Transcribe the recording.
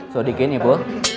sudikin ya bro